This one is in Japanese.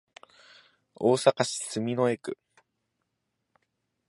大阪市住之江区